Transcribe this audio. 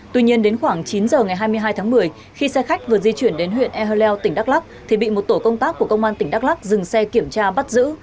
tuy nhiên đến khoảng chín giờ ngày hai mươi hai tháng một mươi khi xe khách vừa di chuyển đến huyện ehleu tỉnh đắk lắc thì bị một tổ công tác của công an tỉnh đắk lắc dừng xe kiểm tra bắt giữ